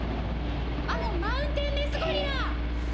あのマウンテンメスゴリラ！